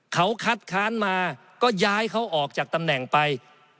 เขาคัดค้านมาก็ย้ายเขาออกจากตำแหน่งไป